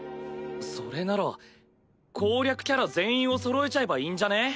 それなら攻略キャラ全員をそろえちゃえばいいんじゃね？